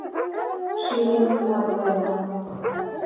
Ший меҥгымат пуэна.